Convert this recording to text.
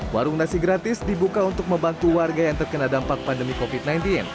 warung nasi gratis dibuka untuk membantu warga yang terkena dampak pandemi covid sembilan belas